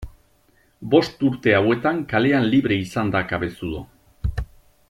Bost urte hauetan kalean libre izan da Cabezudo.